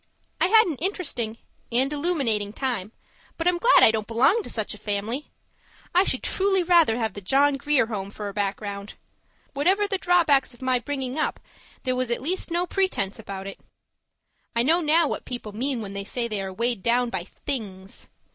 I had an interesting and illuminating time, but I'm glad I don't belong to such a family! I should truly rather have the John Grier Home for a background. Whatever the drawbacks of my bringing up, there was at least no pretence about it. I know now what people mean when they say they are weighed down by Things.